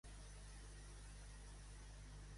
A quina obra podem una altra versió?